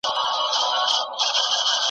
سیندونه ځمکې خړوبوي.